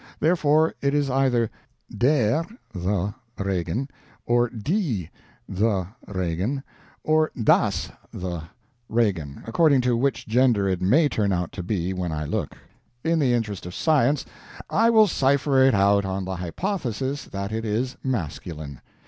Therefore, it is either DER (the) Regen, or DIE (the) Regen, or DAS (the) Regen, according to which gender it may turn out to be when I look. In the interest of science, I will cipher it out on the hypothesis that it is masculine.